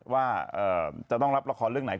ว่าจะต้องรับละครเรื่องไหน